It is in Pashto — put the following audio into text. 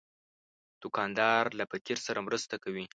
دوکاندار له فقیر سره مرسته کوي.